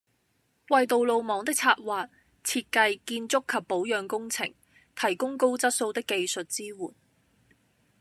為道路網的策劃、設計、建築及保養工程，提供高質素的技術支援